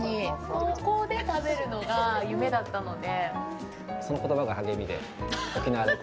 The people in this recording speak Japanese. ここで食べるのが夢だったので。